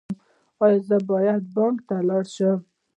ایا زه باید بانک ته لاړ شم؟